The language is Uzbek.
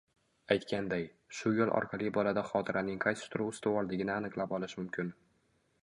Aytganday, shu yo‘l orqali bolada xotiraning qaysi turi ustuvorligini aniqlab olish mumkin.